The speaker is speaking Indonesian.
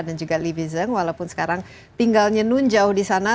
dan juga libi zeng walaupun sekarang tinggalnya nunjau di sana